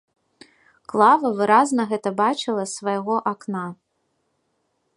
Клава выразна гэта бачыла з свайго акна.